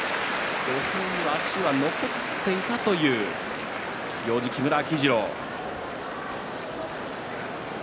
足は残っていたという行司は木村秋治郎。